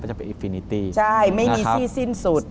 จะเป็นอิฟฟินิตี้ใช่ไม่มีที่สิ้นสุด